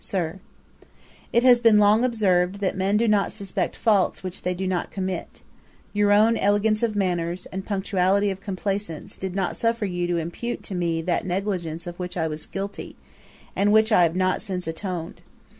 'SIR, 'It has been long observed, that men do not suspect faults which they do not commit; your own elegance of manners, and punctuality of complaisance, did not suffer you to impute to me that negligence of which I was guilty, and which I have not since atoned.